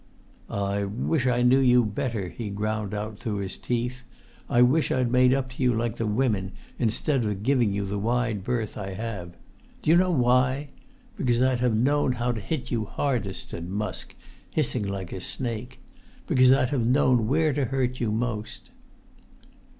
"I wish I knew you better!" he ground out through his teeth. "I wish I'd made up to you like the women, instead of giving you the wide berth I have. Do you know why? Because I'd have known how to hit you hardest," said Musk, hissing like a snake; "because I'd have known where to hurt you most!"